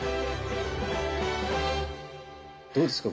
どうですか？